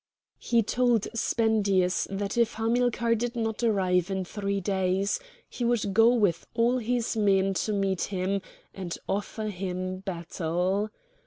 He told Spendius that if Hamilcar did not arrive in three days he would go with all his men to meet him and offer him battle.